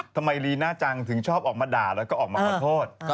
ลีน่าจังถึงชอบออกมาด่าแล้วก็ออกมาขอโทษ